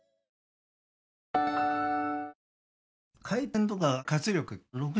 回転とか活力